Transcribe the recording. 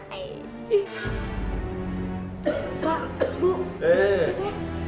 abis dong perhiasan ibu satu lemari